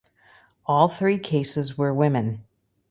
All three cases were women.